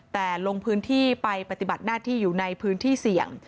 แต่ลงพื้นที่ไปปฏิบัติหน้าที่อยู่ในพื้นที่เสี่ยง